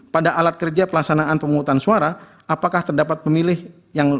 pada alat kerja pelaksanaan pemungutan suara apakah terdapat pemilih yang memilih lebih dari satu kali